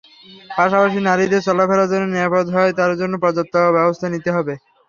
পাশাপাশি নারীদের চলাফেরা যেন নিরাপদ হয়, তার জন্য পর্যাপ্ত ব্যবস্থা নিতে হবে।